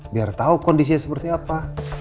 biar tahu kondisinya seperti apa